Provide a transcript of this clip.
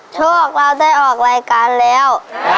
โชคเราได้ออกรายการแล้ว